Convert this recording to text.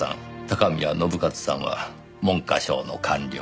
高宮信一さんは文科省の官僚。